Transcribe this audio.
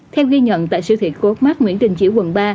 theo ghi nhận tại siêu thị co octmark nguyễn đình chỉu quận ba